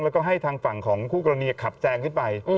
แล้วก็ให้ทางฝั่งของคู่กรณีขับแซงขึ้นไป